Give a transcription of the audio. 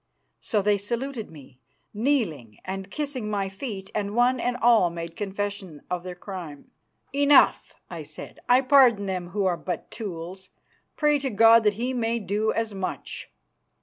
So they saluted me, kneeling, and kissing my feet, and one and all made confession of their crime. "Enough," I said, "I pardon them who are but tools. Pray to God that He may do as much."